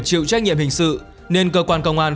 chịu trách nhiệm hình sự nên cơ quan công an